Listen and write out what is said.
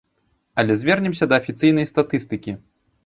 Але звернемся да афіцыйнай статыстыкі.